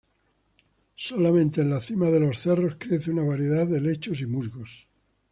Solamente en las cimas de los cerros crece una variedad de helechos y musgos.